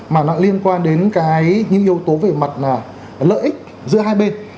mà nó liên quan đến những yếu tố về mặt lợi ích giữa hai bên